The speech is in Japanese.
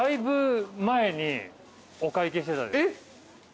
えっ？